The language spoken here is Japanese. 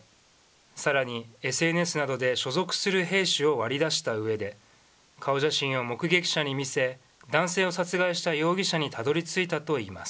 さらに、ＳＮＳなどで所属する兵士を割り出したうえで、顔写真を目撃者に見せ、男性を殺害した容疑者にたどりついたといいます。